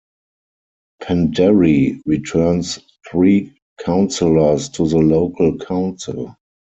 Penderry returns three councillors to the local council.